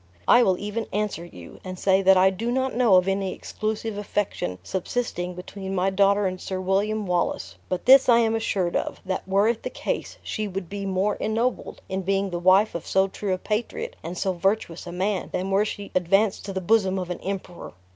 I will even answer you, and say that I do not know of any exclusive affection subsisting between my daughter and Sir William Wallace; but this I am assured of, that were it the case, she would be more ennobled in being the wife of so true a patriot and so virtuous a man, than were she advanced to the bosom of an emperor.